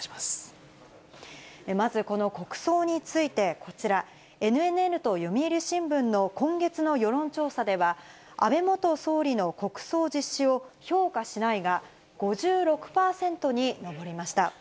まず、この国葬について、こちら、ＮＮＮと読売新聞の今月の世論調査では、安倍元総理の国葬実施を評価しないが５６％に上りました。